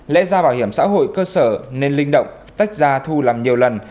lẽ ra bảo hiểm xã hội cơ sở nên linh động tách ra thu làm nhiều lần